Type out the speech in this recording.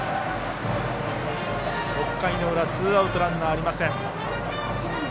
６回の裏、ツーアウトランナーありません。